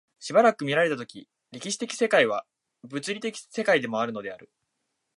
斯く見られた時、歴史的世界は物理学的世界であるのである、